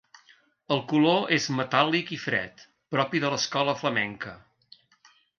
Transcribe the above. El color és metàl·lic i fred, propi de l'escola flamenca.